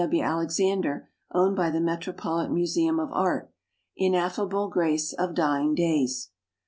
W. Alexander owned by the Met^ ropolitan Museum of Art, ''ineffable grace of dying days".